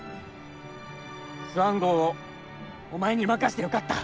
スワン号をお前に任してよかった。